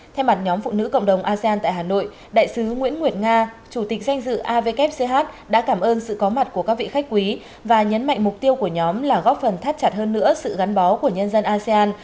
thay mặt nhóm phụ nữ cộng đồng asean tại hà nội đại sứ nguyễn nguyệt nga chủ tịch danh dự avkch đã cảm ơn sự có mặt của các vị khách quý và nhấn mạnh mục tiêu của nhóm là góp phần thắt chặt hơn nữa sự gắn bó của nhân dân asean